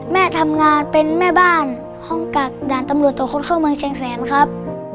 แม่ทำงานเป็นแม่บ้านห้องกักด่านตำรวจตรวจคนเข้าเมืองเชียงแสนครับ